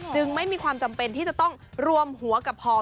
ไม่มีความจำเป็นที่จะต้องรวมหัวกับพอ